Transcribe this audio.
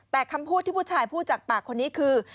แต่คำพูดที่ผู้ชายพูดจากปากคนนี้คือ